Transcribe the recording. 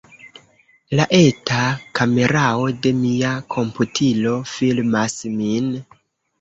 La eta kamerao de mia komputilo filmas min.